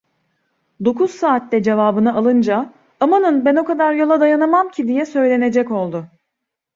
Dokuz saatte cevabını alınca: "Amanın, ben o kadar yola dayanamam ki!" diye söylenecek oldu.